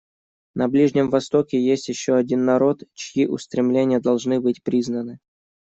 На Ближнем Востоке есть еще один народ, чьи устремления должны быть признаны.